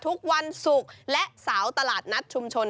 ทุกวันศุกร์และเสาตลาดนัดชุมชน